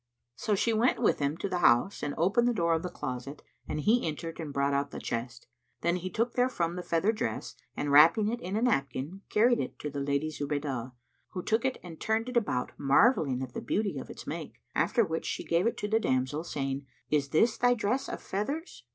So she went with him to the house and opened the door of the closet, and he entered and brought out the chest. Then he took therefrom the feather dress and wrapping it in a napkin, carried it to the Lady Zubaydah, who took it and turned it about, marvelling at the beauty of its make; after which she gave it to the damsel, saying, "Is this thy dress of feathers?"